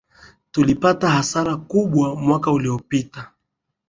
Tulipata hasara kubwa mwaka uliopita